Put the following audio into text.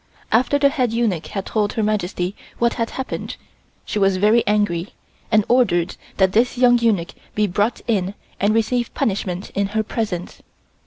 After the head eunuch had told Her Majesty what had happened, she was very angry and ordered that this young eunuch be brought in and receive punishment in her presence.